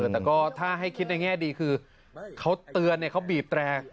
แต่ก็ถ้าให้คิดในแง่ดีคือเขาเตือนเขาบีบแตร